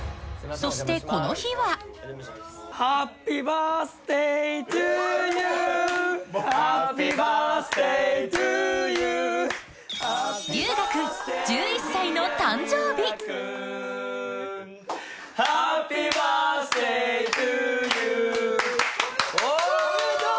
そしてこの日は・おめでとう！